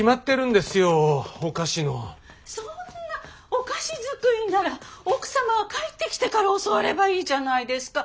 お菓子作りなら奥様が帰ってきてから教わればいいじゃないですか。